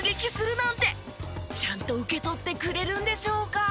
ちゃんと受け取ってくれるんでしょうか？